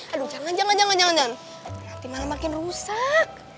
aduh jangan jangan jangan jangan nanti malah makin rusak